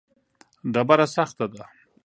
ډبره سخته ده.